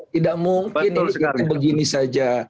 tidak mungkin ini saja